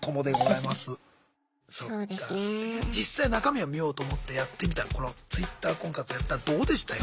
実際中身を見ようと思ってやってみたらこのＴｗｉｔｔｅｒ婚活やったらどうでしたよ？